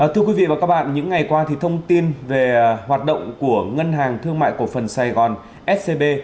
thưa quý vị và các bạn những ngày qua thông tin về hoạt động của ngân hàng thương mại cổ phần sài gòn scb